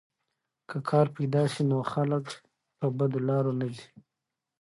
که کار پیدا سي نو خلک په بدو لارو نه ځي.